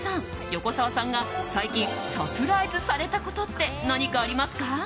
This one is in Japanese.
横澤さんが最近、サプライズされたことって何かありますか？